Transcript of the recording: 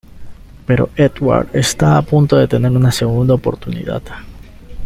Pero Edward está a punto de tener una segunda oportunidad.